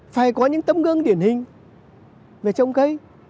phải có những tấm gương điển hình về trồng cây